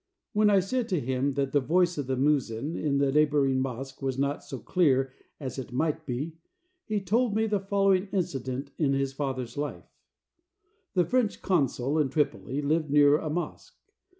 When I said to him that the voice of the muezzin in the neighboring mosque was not so clear as it might be, he told me the following incident in his father's life: The French consul in Tripoli lived near a mosque.